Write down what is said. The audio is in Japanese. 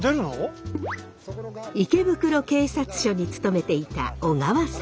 池袋警察署に勤めていた小川さん。